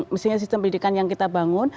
mestinya sistem pendidikan yang kita bangun